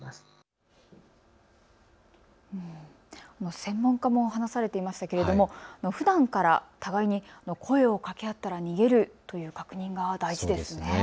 専門家も話されていましたけれども、ふだんから互いに声をかけ合ったら逃げるという確認が大事ですね。